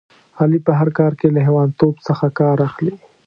علي په هر کار کې له حیوانتوب څخه کار اخلي.